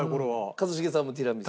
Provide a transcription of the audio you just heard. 一茂さんもティラミス。